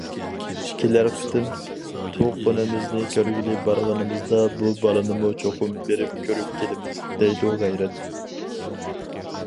- كېلەر قېتىم تۇغقىنىمىزنى كۆرگىلى بارغىنىمىزدا، بۇ بالىنىمۇ چوقۇم بېرىپ كۆرۈپ كېلىمىز،- دەيدۇ غەيرەت.